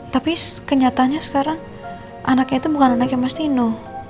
tapi kenyataannya sekarang anaknya itu bukan anaknya mas dino